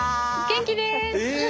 元気です！